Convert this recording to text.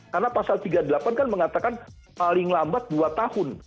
karena pasal tiga puluh delapan kan mengatakan paling lambat dua tahun